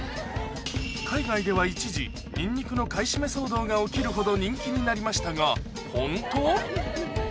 海外では一時ニンニクの買い占め騒動が起きるほど人気になりましたがホント？